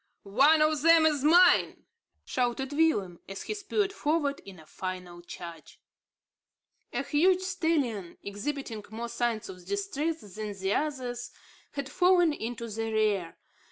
"One of them is mine," shouted Willem, as he spurred forward in a final charge. A huge stallion, exhibiting more signs of distress than the others, had fallen into the rear.